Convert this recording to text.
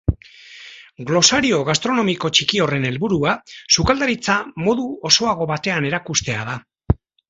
Glosario gastronomiko txiki horren helburua sukaldaritza modu osoago batean erakustea da.